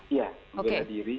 iya membela diri